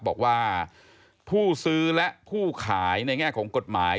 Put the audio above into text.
บอกว่าผู้ซื้อและผู้ขายในแง่ของกฎหมาย